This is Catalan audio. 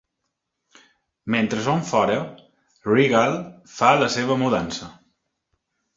Mentre són fora, Regal fa la seva mudança.